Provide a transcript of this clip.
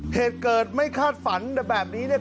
เหตุเกิดไม่คาดฝันแต่แบบนี้เนี่ย